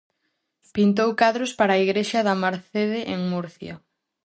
Pintou cadros para a igrexa da Mercede en Murcia.